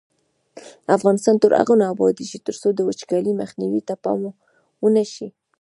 افغانستان تر هغو نه ابادیږي، ترڅو د وچکالۍ مخنیوي ته پام ونشي.